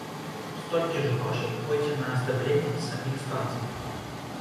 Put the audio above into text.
Столькі ж грошай пойдзе на аздабленне саміх станцый.